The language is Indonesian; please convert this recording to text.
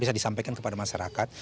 bisa disampaikan kepada masyarakat